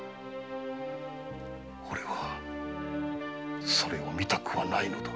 おれはそれを見たくはないのだ。